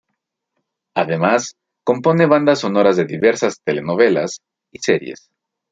Además compone bandas sonoras de diversas telenovelas y series.